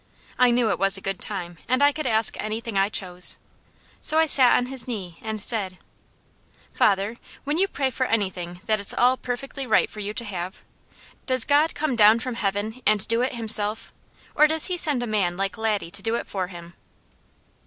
I knew it was a good time, and I could ask anything I chose, so I sat on his knee and said: "Father, when you pray for anything that it's all perfectly right for you to have, does God come down from heaven and do it Himself, or does He send a man like Laddie to do it for him?"